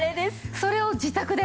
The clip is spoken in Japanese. それを自宅で。